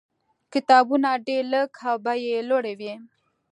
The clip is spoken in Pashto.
کتابونه ډېر لږ او بیې یې لوړې وې.